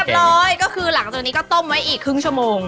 ร้อยก็คือหลังจากนี้ก็ต้มไว้อีกครึ่งชั่วโมง